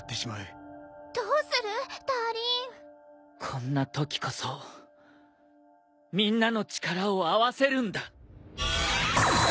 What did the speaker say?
こんなときこそみんなの力を合わせるんだ。